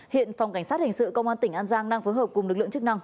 hiện phòng cảnh sát hình sự công an tỉnh an giang đang phối hợp cùng lực lượng chức năng